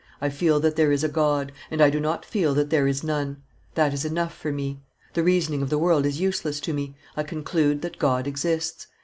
"I feel that there is a God, and I do not feel that there is none; that is enough for me; the reasoning of the world is useless to me. I conclude that God exists.